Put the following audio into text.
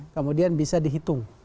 kemudian bisa dihitung